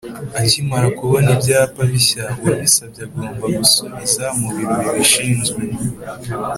Akimara kubona ibyapa bishya, uwabisabye agomba gusubiza mu biro bibishinzwe